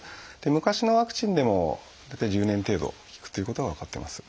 昔のワクチンでも大体１０年程度効くということが分かってます。